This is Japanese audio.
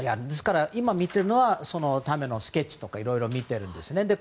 ですから今見ているのはそのスケッチとかいろいろ見てるんですよね。